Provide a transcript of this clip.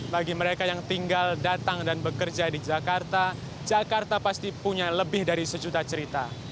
bagi mereka yang tinggal datang dan bekerja di jakarta jakarta pasti punya lebih dari sejuta cerita